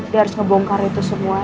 dia harus ngebongkar itu semua